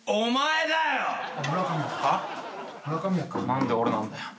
何で俺なんだよ？